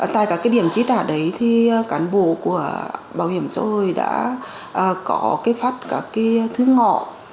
tại cả điểm chi trả đấy cán bộ của bảo hiểm xã hội đã có phát các thứ ngọ